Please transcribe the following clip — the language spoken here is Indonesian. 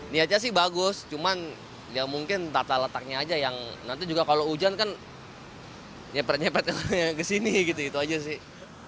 niatnya sih bagus cuman ya mungkin tata letaknya aja yang nanti juga kalau hujan kan nyepet nyepet ke sini gitu itu aja sih